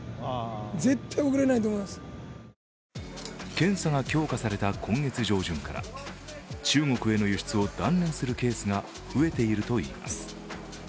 検査が強化された今月上旬から中国への輸出を断念するケースが増えているといいます。